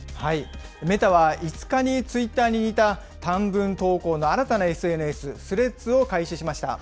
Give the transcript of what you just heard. メタは５日にツイッターに似た短文投稿の新たなＳＮＳ、スレッズを開始しました。